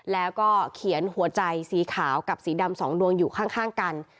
แล้วก็เขียนหัวใจสีขาวกับสีดำ๒ดวงอยู่ข้างกัน